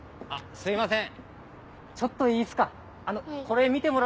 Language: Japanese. すみません。